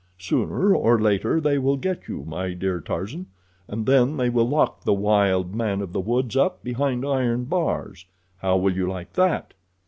Sooner or later they will get you, my dear Tarzan, and then they will lock the wild man of the woods up behind iron bars. How will you like that?"